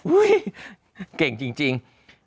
อุ้ยเก่งจริง